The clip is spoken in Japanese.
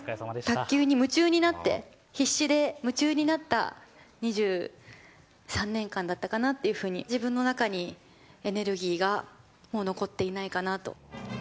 卓球に夢中になって、必死で、夢中になった２３年間だったかなというふうに、自分の中にエネルギーがもう残っていないかなと。